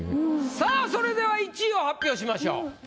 さぁそれでは１位を発表しましょう。